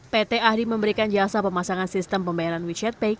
pt ahdi memberikan jasa pemasangan sistem pembayaran wechat pay